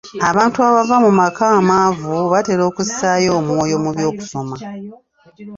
Abantu abava mu maka amaavu batera okussaayo omwoyo mu by'okusoma